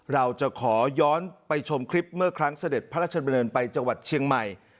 เราจะขอย้อนไปชมคลิปเมื่อครั้งเสด็จพระราชดำเนินไปจังหวัดเชียงใหม่